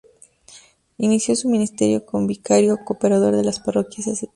Inició su ministerio como Vicario Cooperador de las parroquias "St.